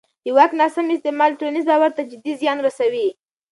د واک ناسم استعمال ټولنیز باور ته جدي زیان رسوي